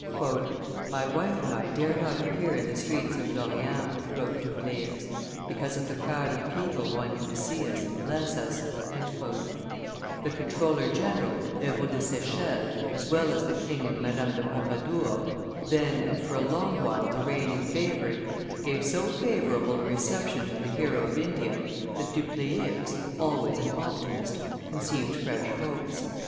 "My wife and I dare not appear in the streets of Lorient," wrote Dupleix, "because of the crowd of people wanting to see us and bless us;" the comptroller general, Herault de Sechelles, as well as the king and Madame de Pompadour, then and for a long while the reigning favorite, gave so favorable a reception to the hero of India that Dupleix, always an optimist, conceived fresh hopes.